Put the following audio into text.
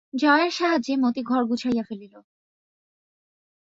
জয়ার সাহায্যে মতি ঘর গুছাইয়া ফেলিল।